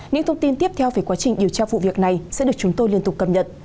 những thông tin tiếp theo về quá trình điều tra vụ việc này sẽ được chúng tôi liên tục cập nhật